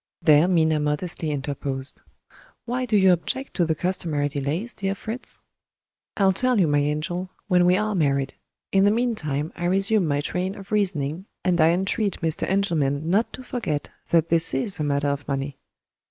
There Minna modestly interposed. "Why do you object to the customary delays, dear Fritz?" "I'll tell you, my angel, when we are married. In the meantime, I resume my train of reasoning, and I entreat Mr. Engelman not to forget that this is a matter of money.